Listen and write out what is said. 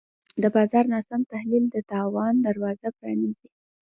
د بازار ناسم تحلیل د تاوان دروازه پرانیزي.